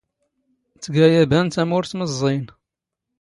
ⵜⴳⴰ ⵢⴰⴱⴰⵏ ⵜⴰⵎⵓⵔⵜ ⵎⵥⵥⵉⵢⵏ.